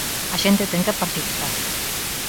A xente ten que participar.